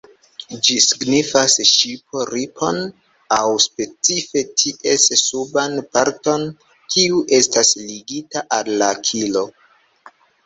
Ĝi signifas ŝip-ripon aŭ specife ties suban parton, kiu estas ligita al la kilo.